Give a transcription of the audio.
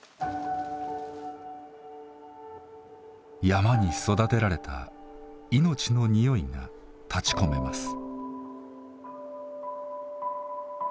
山に育てられたいのちのにおいが立ちこめます。